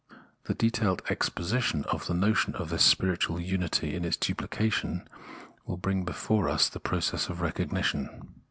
The detailed exposition of the notion of this spiritual unity in its duplication will bring before us the process of Recognition.